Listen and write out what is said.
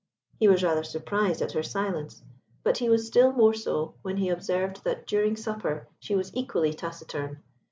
He was rather surprised at her silence, but he was still more so when he observed that during supper she was equally taciturn.